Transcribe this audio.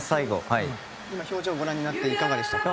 表情をご覧になっていかがでしたか？